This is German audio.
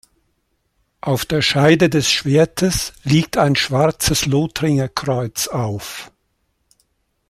Auf der Scheide des Schwertes liegt ein schwarzes Lothringer Kreuz auf.